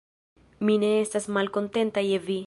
Mi ne estas malkontenta je vi.